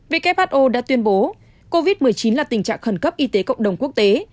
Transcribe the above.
who đã tuyên bố covid một mươi chín là tình trạng khẩn cấp y tế cộng đồng quốc tế